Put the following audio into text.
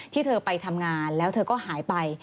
ที่เธอไปทำงานแล้วเธอก็หายไป